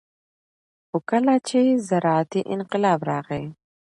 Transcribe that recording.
خو کله چې زراعتي انقلاب راغى